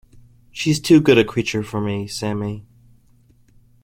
She’s too good a creature for me, Sammy.